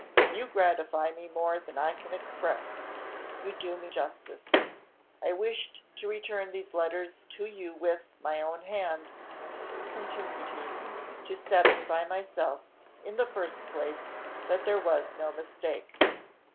You gratify me more than I can express you do me justice. I wished to return these letters to you with, my own hand," continued he, "to satisfy myself, in the first place, that there was no mistake.